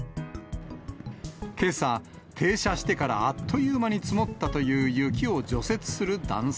けさ、停車してから、あっという間に積もったという雪を除雪する男性。